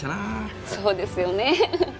そうですよね。